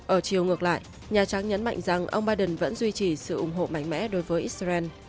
ở chiều ngược lại nhà trắng nhấn mạnh rằng ông biden vẫn duy trì sự ủng hộ mạnh mẽ đối với israel